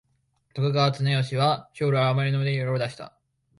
徳川綱吉は生類憐みの令を出した。